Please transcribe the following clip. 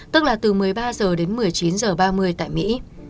tức là từ một mươi ba h đến một mươi chín h ba mươi tại mỹ